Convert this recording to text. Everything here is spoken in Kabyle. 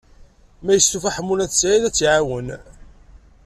Ma yestufa Ḥemmu n At Sɛid, ad tt-iɛawen.